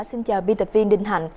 kim thảo xin chào biên tập viên đinh hạnh